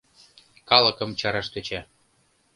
Калыкым чараш тӧча.